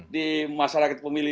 di masyarakat pemilih